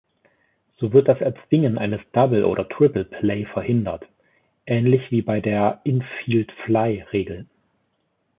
So wird das Erzwingen eines Double- oder Triple-Play verhindert, ähnlich wie bei der Infield-fly-Regel.